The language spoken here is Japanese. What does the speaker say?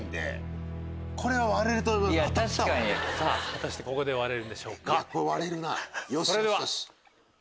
果たしてここで割れるんでしょうか？